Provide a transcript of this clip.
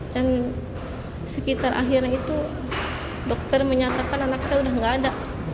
dan sekitar akhirnya itu dokter menyatakan anak saya udah gak ada